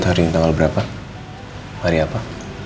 hari apa emangnya